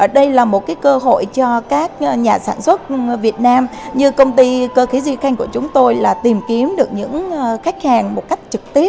đây là một cơ hội cho các nhà sản xuất việt nam như công ty cơ khí di can của chúng tôi tìm kiếm được những khách hàng một cách trực tiếp